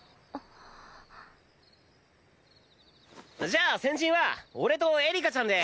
じゃあ先陣は俺とエリカちゃんで。